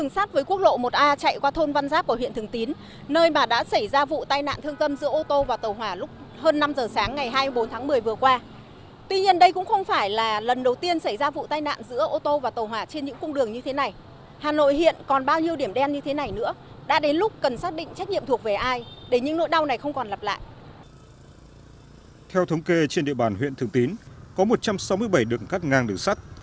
sau đây là phản ánh của phóng viên truyền hình nhân dân tại nơi xảy ra vụ tai nạn trên địa bàn huyện thường tín hà nội